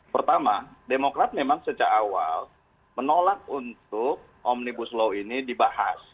pertama demokrat memang sejak awal menolak untuk omnibus law ini dibahas